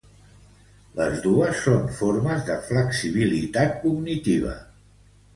Les dos són formes de flexibilitat cognitiva.